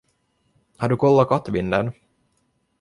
Har du kollat kattvinden?